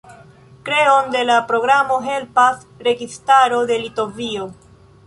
Kreon de la programo helpas registaro de Litovio.